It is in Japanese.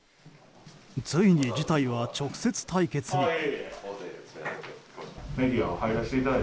ついに事態は直接対決に。